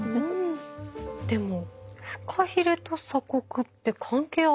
でもフカヒレと鎖国って関係あるんですか？